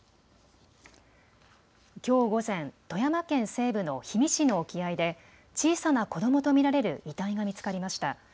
きょう午前、富山県西部の氷見市の沖合で小さな子どもと見られる遺体が見つかりました。